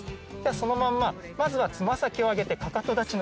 そのまんままずは爪先を上げてかかと立ちの状態にします。